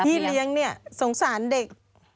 พี่เลี้ยงเนี่ยสงสารเด็ก